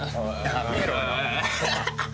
やめろよ。